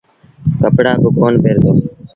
ڪپڙآ با ڪونا پهرتو۔